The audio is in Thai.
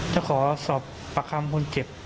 จะขอสอบประคัมคนเจ็บ